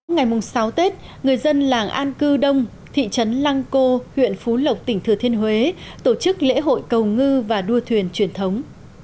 ngày sáu tết người dân làng an cư đông thị trấn lăng cô huyện phú lộc tỉnh thừa thiên huế tổ chức lễ hội cầu ngư và đua thuyền truyền thống